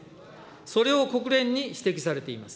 それを国連に指摘されています。